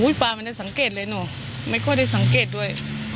ปลาไม่ได้สังเกตเลยหนูไม่ค่อยได้สังเกตด้วย